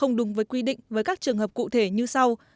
bộ công thương thu hồi các quyết định với các trường hợp cụ thể như sau